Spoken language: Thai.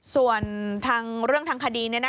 ส่วนเรื่องทางคดี